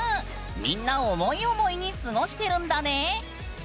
みんな思い思いに過ごしてるんだね！